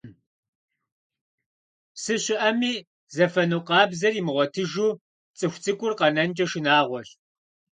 Псы щыӀэми, зэфэну къабзэр имыгъуэтыжу цӀыху цӀыкӀур къэнэнкӀэ шынагъуэщ.